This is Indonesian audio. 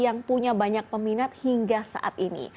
yang punya banyak peminat hingga saat ini